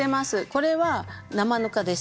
これは生ぬかです。